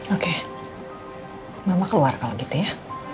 oke mama keluar kalau gitu ya